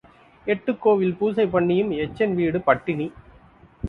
எட்டுக் கோவில் பூசை பண்ணியும் எச்சன் வீடு பட்டினி.